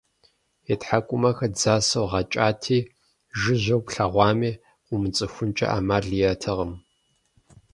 И тхьэкӀумэхэр дзасэу гъэкӀати, жыжьэу плъэгъуами, къыумыцӀыхункӀэ Ӏэмал иӀэтэкъым.